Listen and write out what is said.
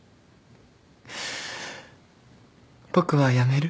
僕はやめる。